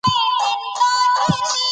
دوی د خپل قوم لپاره خيالي کرکټرونه جوړوي.